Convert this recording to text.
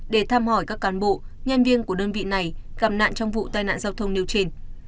để thăm hỏi các cán bộ nhân viên của đơn vị này gặp nạn trong vụ tai nạn giao thông nêu trên